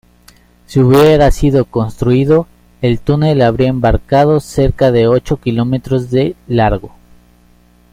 Si hubiera sido construido, el túnel habría embarcado cerca de ocho kilómetros de largo.